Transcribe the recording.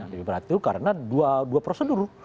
lebih berat itu karena dua prosedur